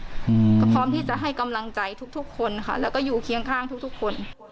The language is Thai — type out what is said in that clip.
อืมก็พร้อมที่จะให้กำลังใจทุกทุกคนค่ะแล้วก็อยู่เคียงข้างทุกทุกคน